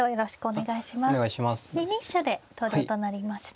２二飛車で投了となりました。